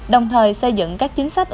đồng thời xây dựng các chính sách